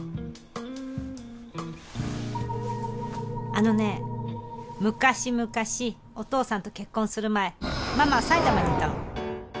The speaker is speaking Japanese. あのね昔々お父さんと結婚する前ママは埼玉にいたの。